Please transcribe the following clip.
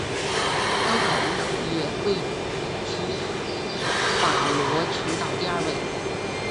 该岛人口也位居法罗群岛第二位。